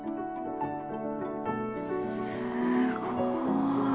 すごい。